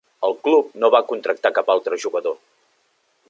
El club no va contractar cap altre jugador.